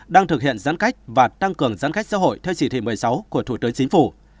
đang thực hiện giãn cách và tăng cường giãn cách xã hội theo chỉ thị một mươi sáu của thủ tướng chính phủ